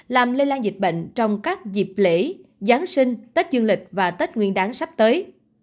làm lây lan dịch bệnh trong các dịp lễ giáng sinh tết dương lịch và tết nguyên đáng sắp tới